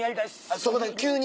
そこで急に。